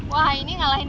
wah ini ngalahin